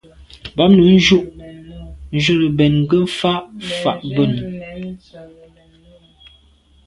Bam num njù njwèle mbèn nke nfà’ fà’ ben.